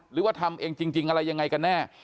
หรือว่าทำเองจริงอะไรยังไงกันแน่